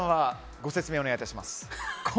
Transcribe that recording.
ご説明をお願いします。